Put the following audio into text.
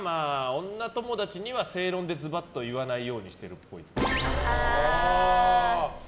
女友達には正論でズバッと言わないようにしてるっぽい。